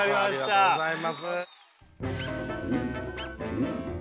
ありがとうございます。